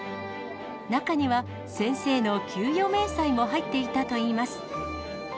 中には、先生の給与明細も入っていたといいます。